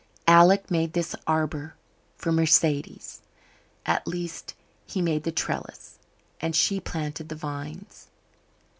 Alec made this arbour for Mercedes at least he made the trellis, and she planted the vines.